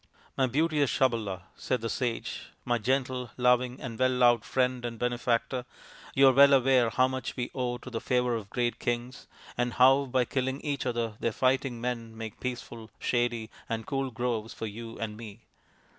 " My beauteous Sabala," said the sage, " my gentle, loving, and well loved friend and benefactor, you are well aware how much we owe to the favour of great kings, and how by killing each other their fighting men make peaceful, shady, and cool groves for you and me.